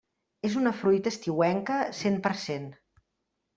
És una fruita estiuenca cent per cent.